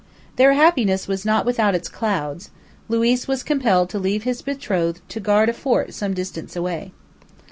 Their happiness was not without its clouds; Luiz was compelled to leave his betrothed to guard a fort some distance away.